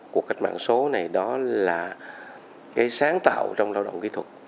cuộc cách mạng số này đó là sáng tạo trong lao động kỹ thuật